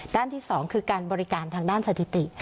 ด้านที่๒คือการบริการทางด้านสถิติ